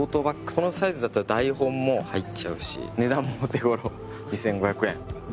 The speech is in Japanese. このサイズだったら台本も入っちゃうし値段もお手頃２５００円。